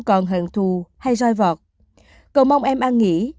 còn hận thù hay roi vọt cậu mong em an nghỉ